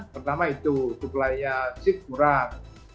pertama itu supply nya sik murah